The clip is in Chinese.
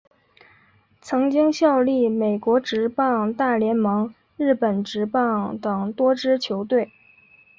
曾经效力美国职棒大联盟日本职棒等多支球队。